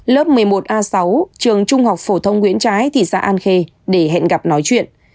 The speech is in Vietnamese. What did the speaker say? lớp một mươi một a sáu trường trung học phổ thông nguyễn trái thị xã an khê để hẹn gặp nói chuyện